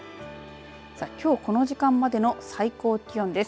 きょうこの時間までの最高気温です。